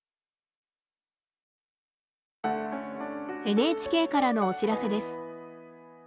ＮＨＫからのお知らせです。